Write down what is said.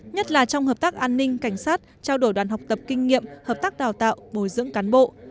nhất là trong hợp tác an ninh cảnh sát trao đổi đoàn học tập kinh nghiệm hợp tác đào tạo bồi dưỡng cán bộ